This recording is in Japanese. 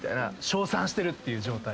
称賛してるっていう状態。